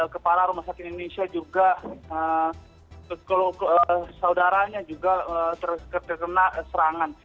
kepala rumah sakit indonesia juga saudaranya juga terkena serangan